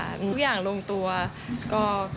ทุกอย่างลงตัวก็ต้องรับค่ะ